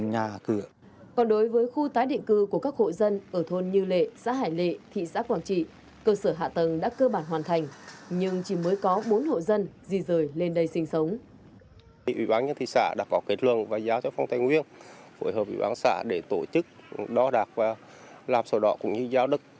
những hộ dân ở thôn như lệ xã hải lệ thị xã quảng trị cơ sở hạ tầng đã cơ bản hoàn thành nhưng chỉ mới có bốn hộ dân di rời lên đây sinh sống